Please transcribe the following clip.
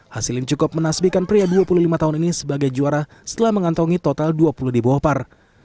hasilin cukup menasbikan pria dua puluh lima tahun ini sebagai juara setelah mengantongi total dua puluh di bawah par